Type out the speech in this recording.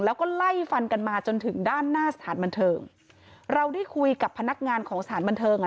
แล้วก็ไล่ฟันกันมาจนถึงด้านหน้าสถานบันเทิงเราได้คุยกับพนักงานของสถานบันเทิงอ่ะ